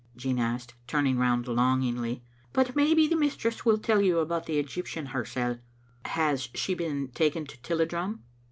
Jean asked, turning round longingly. " But maybe the mistress will tell you about the Egyptian hersel." " Has she been taken to Tilliedrum?"